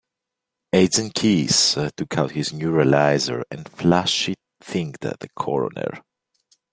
Agent Keys took out his neuralizer and flashy-thinged the coroner.